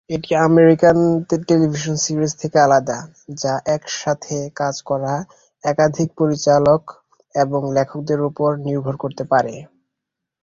এটি American television series থেকে আলাদা, যা একসাথে কাজ করা একাধিক পরিচালক এবং লেখকদের উপর নির্ভর করতে পারে।